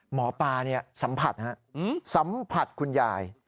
หมอปลาสัมผัสสัมผัสคุณยาย